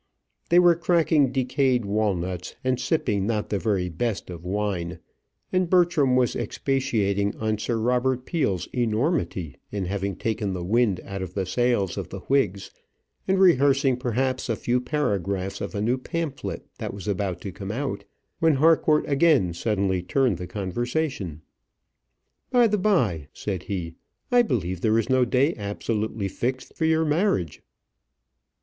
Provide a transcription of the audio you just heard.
They were cracking decayed walnuts and sipping not the very best of wine, and Bertram was expatiating on Sir Robert Peel's enormity in having taken the wind out of the sails of the Whigs, and rehearsing perhaps a few paragraphs of a new pamphlet that was about to come out, when Harcourt again suddenly turned the conversation. "By the by," said he, "I believe there is no day absolutely fixed for your marriage."